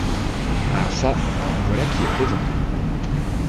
Ah çà ! voilà qui est plaisant !…